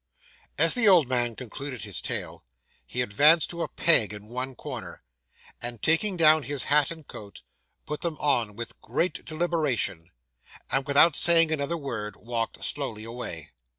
As the old man concluded his tale, he advanced to a peg in one corner, and taking down his hat and coat, put them on with great deliberation; and, without saying another word, walked slowly away.